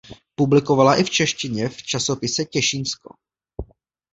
Publikovala i v češtině v časopise Těšínsko.